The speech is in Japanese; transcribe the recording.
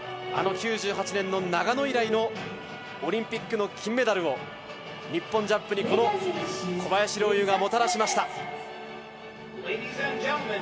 あの９８年の長野以来のオリンピックの金メダルを日本ジャンプにもたらしました。